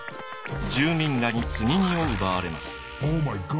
住民らに積み荷を奪われます。